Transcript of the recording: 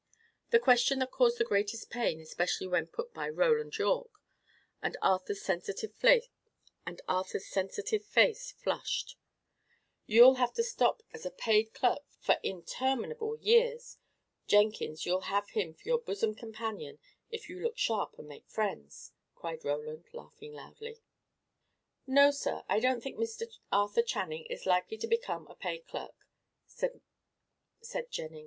A question that caused the greatest pain, especially when put by Roland Yorke; and Arthur's sensitive face flushed. "You'll have to stop as a paid clerk for interminable years! Jenkins, you'll have him for your bosom companion, if you look sharp and make friends," cried Roland, laughing loudly. "No, sir, I don't think Mr. Arthur Channing is likely to become a paid clerk," said Jenkins.